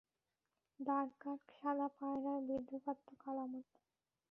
দাঁড়কাক, সাদা পায়রার বিদ্রূপাত্মক আলামত!